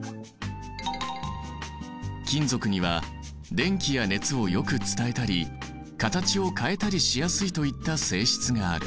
金属には電気や熱をよく伝えたり形を変えたりしやすいといった性質がある。